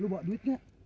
lu bawa duit gak